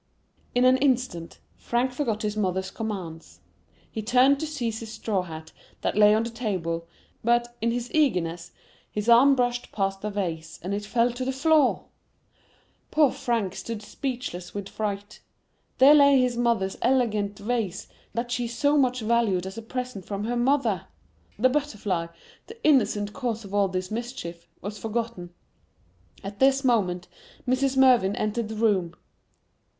In an instant, Frank forgot his mother's commands. He turned to seize his straw hat that lay on the table; but, in his eagerness, his arm brushed past the vase, and it fell to the floor! Poor Frank stood speechless with fright,—there lay his mother's elegant vase, that she so much valued as a present from her mother! The butterfly, the innocent cause of all this mischief, was forgotten. At this moment, Mrs. Mervyn entered the room.